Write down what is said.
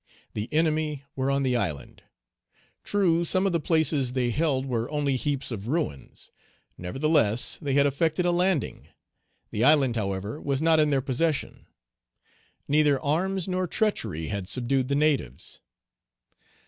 The enemy were on the island. True, some of the places they held were only heaps of ruins. Nevertheless, they had effected a landing. The island, however, was not in their possession. Neither arms nor treachery had subdued the natives.